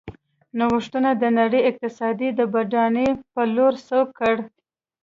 نوښتونو د نړۍ اقتصاد یې د بډاینې په لور سوق کړ.